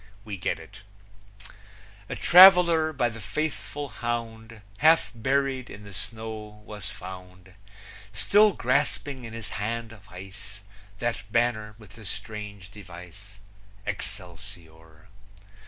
We get it: A traveler, by the faithful hound, Half buried in the snow was found, Still grasping in his hand of ice That banner with the strange device, Excelsior!